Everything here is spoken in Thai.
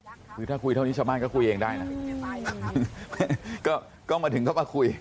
คือถ้าคุยเท่านี้ชาวบ้านก็คุยเองได้นะก็ก็มาถึงเข้ามาคุย